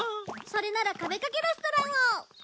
それなら壁かけレストランを。